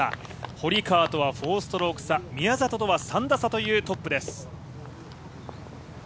堀川とは４ストローク差、宮里とは３打差というトップです。